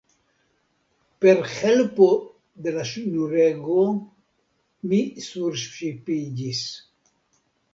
Per helpo de la ŝnurego mi surŝipiĝis.